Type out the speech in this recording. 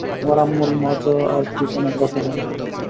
আমার আম্মুর মাজা আর পিঠ অনেক ব্যথা করে।